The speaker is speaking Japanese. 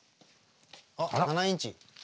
あっ７インチ。